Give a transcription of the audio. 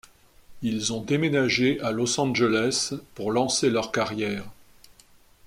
Ils ont déménagé à Los Angeles pour lancer leur carrière.